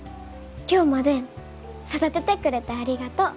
今日まで育ててくれてありがとう。